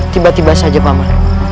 tiba tiba saja pamah